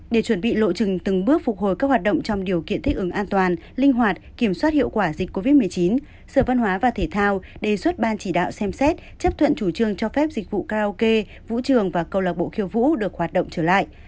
để chuẩn bị lộ trình từng bước phục hồi các hoạt động trong điều kiện thích ứng an toàn linh hoạt kiểm soát hiệu quả dịch covid một mươi chín sở văn hóa và thể thao đề xuất ban chỉ đạo xem xét chấp thuận chủ trương cho phép dịch vụ karaoke vũ trường và câu lạc bộ khiêu vũ được hoạt động trở lại